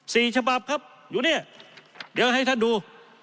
สี่ฉบับครับอยู่เนี่ยเดี๋ยวให้ท่านดู